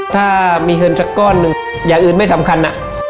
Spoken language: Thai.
ถ้ามีเงินสักก้อนหนึ่งอย่างอื่นไม่สำคัญ